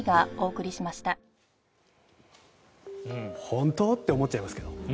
本当？って思っちゃいますけど。